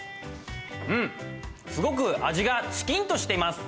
うんすごく味がチキンとしてます。